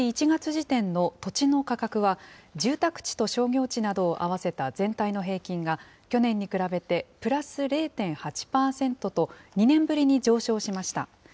１月時点の土地の価格は、住宅地と商業地などを合わせた全体の平均が、去年に比べてプラス０．８％と、２年ぶりに上昇しました。